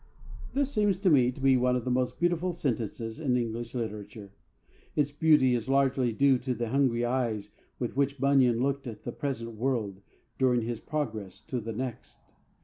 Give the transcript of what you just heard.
That seems to me to be one of the most beautiful sentences in English literature. Its beauty is largely due to the hungry eyes with which Bunyan looked at the present world during his progress to the next.